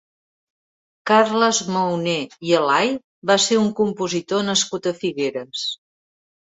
Carles Mauné i Alai va ser un compositor nascut a Figueres.